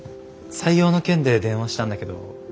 採用の件で電話したんだけど。